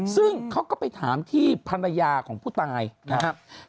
ซึ่งเขาก็ไปถามที่ภรรยาของผู้ตายนะครับ